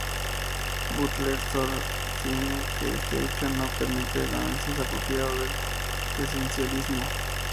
Butler sostiene que este hecho no permite el análisis apropiado del esencialismo.